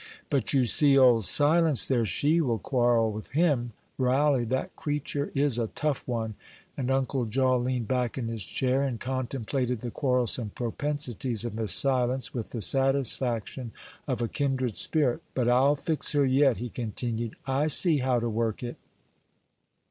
"But, you see, old Silence there, she will quarrel with him: railly, that cretur is a tough one;" and Uncle Jaw leaned back in his chair, and contemplated the quarrelsome propensities of Miss Silence with the satisfaction of a kindred spirit. "But I'll fix her yet," he continued; "I see how to work it."